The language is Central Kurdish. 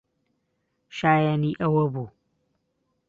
شایەنی ئەوە بوو.